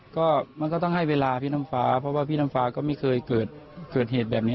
ก็มันก็ต้องให้เวลาพี่น้ำฟ้าเพราะว่าพี่น้ำฟ้าก็ไม่เคยเกิดเหตุแบบนี้